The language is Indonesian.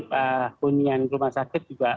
keunian rumah sakit juga